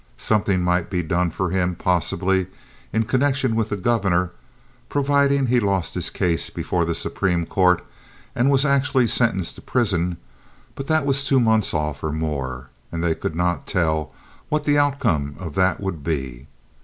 Something might be done for him possibly in connection with the governor, providing he lost his case before the Supreme Court and was actually sentenced to prison; but that was two months off, or more, and they could not tell what the outcome of that would be.